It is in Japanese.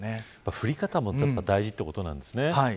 降り方も大事ということなんですね。